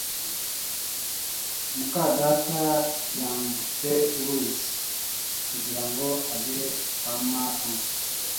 muka data yambutse uruzi kugira ngo agere kwa Mariya